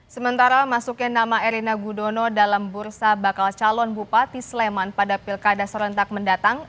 sementara masuknya nama erina gudono dalam bursa bakal calon bupati sleman pada pilkada serentak mendatang